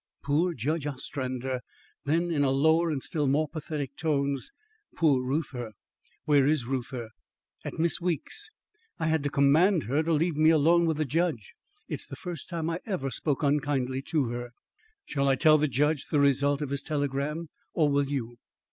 "Poor Judge Ostrander!" Then, in lower and still more pathetic tones, "Poor Reuther!" "Where is Reuther?" "At Miss Weeks'. I had to command her to leave me alone with the judge. It's the first time I ever spoke unkindly to her." "Shall I tell the judge the result of his telegram, or will you?"